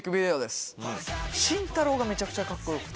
慎太郎がめちゃくちゃカッコよくて。